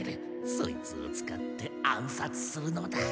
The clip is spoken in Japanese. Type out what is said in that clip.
そいつを使って暗殺するのだ。